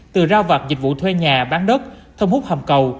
từ rau vặt dịch vụ thuê nhà bán đất thông hút hầm cầu